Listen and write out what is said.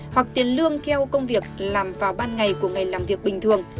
hoặc tiền lương theo công việc làm vào ban ngày của ngày làm việc bình thường